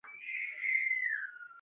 د غور په تیوره کې د څه شي نښې دي؟